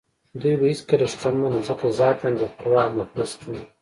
دوی به هېڅکله شتمن نه شي ځکه ذاتاً بې پروا او مفلس دي.